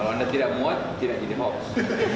kalau anda tidak muat tidak jadi hoax